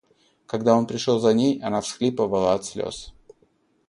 Когда он пришел за ней, она всхлипывала от слез.